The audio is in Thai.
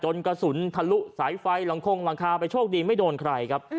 กระสุนทะลุสายไฟหลังคงหลังคาไปโชคดีไม่โดนใครครับ